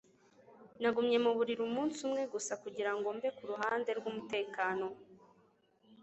Nagumye mu buriri umunsi umwe gusa kugira ngo mbe ku ruhande rwumutekano